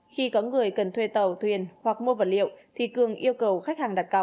khi có người cần thuê tàu thuyền hoặc mua vật liệu thì cường yêu cầu khách hàng đặt cọc